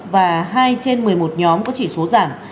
và hai trên một mươi một nhóm có chỉ số giảm